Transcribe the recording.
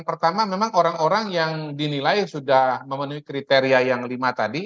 pertama memang orang orang yang dinilai sudah memenuhi kriteria yang lima tadi